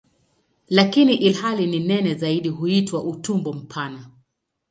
Lakini ilhali ni nene zaidi huitwa "utumbo mpana".